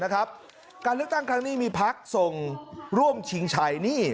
การเลือกตั้งครั้งนี้มีพักส่งร่วมชิงชัยนี่